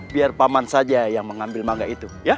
biar paman saja yang mengambil mangga itu